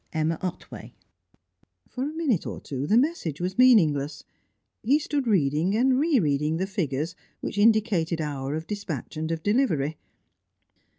EMMA OTWAY." For a minute or two, the message was meaningless. He stood reading and re reading the figures which indicated hour of despatch and of delivery.